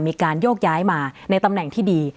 มีการโยกย้ายมาในตำแหน่งที่ดี